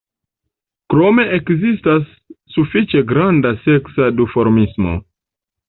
Krome ekzistis sufiĉe granda seksa duformismo.